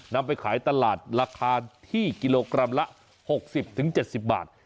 นำไปขายตลาดราคาที่กิโลกรัมละหกสิบถึงเจ็ดสิบบาท